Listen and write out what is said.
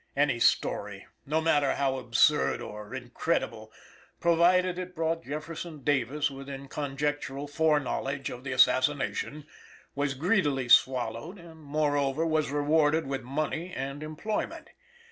Any story, no matter how absurd or incredible, provided it brought Jefferson Davis within conjectural fore knowledge of the assassination, was greedily swallowed, and, moreover, was rewarded with money and employment.